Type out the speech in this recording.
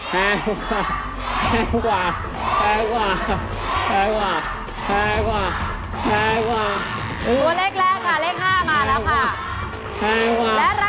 แพงกว่า